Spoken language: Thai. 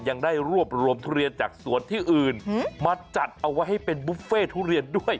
ยังได้รวบรวมทุเรียนจากสวนที่อื่นมาจัดเอาไว้ให้เป็นบุฟเฟ่ทุเรียนด้วย